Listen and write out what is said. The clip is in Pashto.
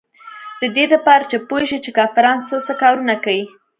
د دې دپاره چې پوې شي چې کافران سه سه کارونه کيي.